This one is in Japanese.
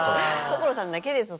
所さんだけです